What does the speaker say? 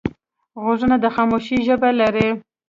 غوږونه د خاموشۍ ژبه لري